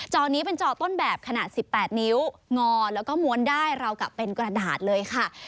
อนี้เป็นจอต้นแบบขนาด๑๘นิ้วงอแล้วก็ม้วนได้ราวกับเป็นกระดาษเลยค่ะ